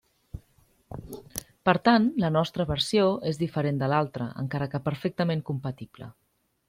Per tant, la nostra versió és diferent de l'altra, encara que perfectament compatible.